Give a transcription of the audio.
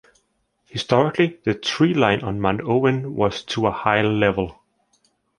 Historically, the tree line on Mount Owen was to a high level.